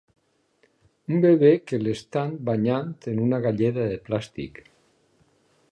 Un bebè que l'estant banyant en una galleda de plàstic.